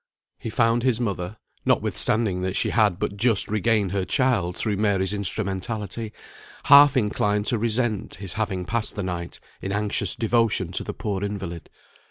He found his mother (notwithstanding that she had but just regained her child through Mary's instrumentality) half inclined to resent his having passed the night in anxious devotion to the poor invalid.